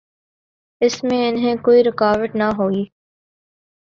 اس میں انہیں کوئی رکاوٹ نہ ہوئی۔